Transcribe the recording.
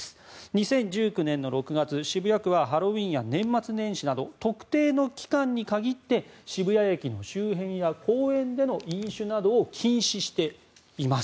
２０１９年の６月、渋谷区はハロウィーンや年末年始など特定の期間に限って渋谷駅の周辺や公園での飲酒などを禁止しています。